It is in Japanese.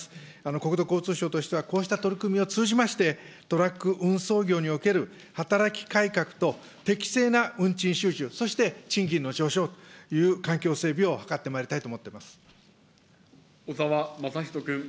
国土交通省としては、こうした取り組みを通じまして、トラック運送業における働き改革と適正な運賃収受、そして賃金の上昇という環境整備を図ってまいりたいと思っており小沢雅仁君。